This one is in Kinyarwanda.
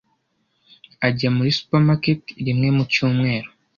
Ajya muri supermarket rimwe mu cyumweru.